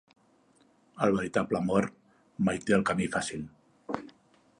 El veritable amor mai no té el camí fàcil.